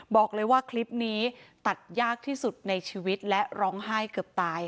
บอกเลยว่าคลิปนี้ตัดยากที่สุดในชีวิตและร้องไห้เกือบตาย